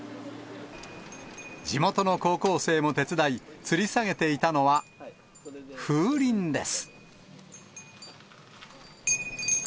地元の高校生も手伝い、つり下げていたのは、風鈴です。